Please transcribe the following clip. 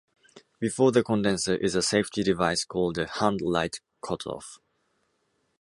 Before the condenser is a safety device called the hand light cutoff.